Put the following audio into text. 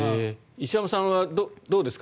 石山さんはどうですか？